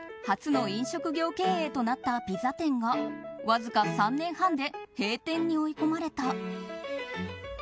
初の飲食業経営となったピザ店がわずか３年半で閉店に追い込まれた。